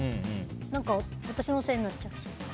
何か私のせいになっちゃうし。